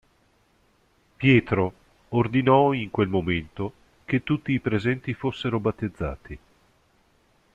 Pietro ordinò in quel momento che tutti i presenti fossero battezzati.